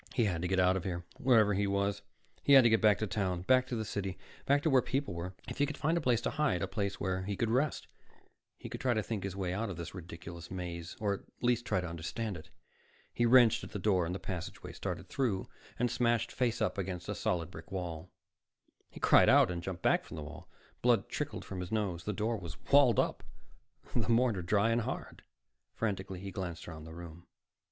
He had to get out of here, wherever he was. He had to get back to town, back to the city, back to where people were. If he could find a place to hide, a place where he could rest, he could try to think his way out of this ridiculous maze, or at least try to understand it. He wrenched at the door to the passageway, started through, and smashed face up against a solid brick wall. He cried out and jumped back from the wall. Blood trickled from his nose. The door was walled up, the mortar dry and hard. Frantically, he glanced around the room.